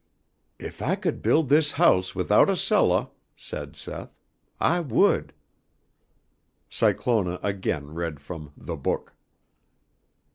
"If I could build this house without a cellah," said Seth, "I would." Cyclona again read from the Book.